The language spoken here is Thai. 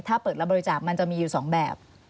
ถ้าเปิดรับบริจาคมันจะมีอยู่๒แบบ